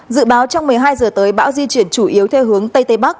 dự báo trong một mươi hai giờ tới bão di chuyển chủ yếu theo hướng tây tây bắc